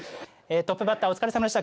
トップバッターお疲れさまでした。